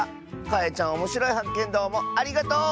かえちゃんおもしろいはっけんどうもありがとう！